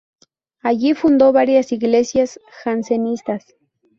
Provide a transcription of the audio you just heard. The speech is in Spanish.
Allí fundó varias iglesias jansenistas.